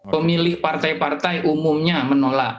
pemilih partai partai umumnya menolak